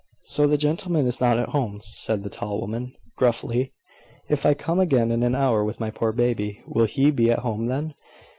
"So the gentleman is not at home," said the tall woman, gruffly. "If I come again in an hour with my poor baby, will he be at home then?"